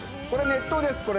これ熱湯です